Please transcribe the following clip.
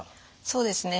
そうですね。